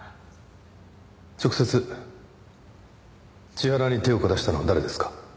直接千原に手を下したのは誰ですか？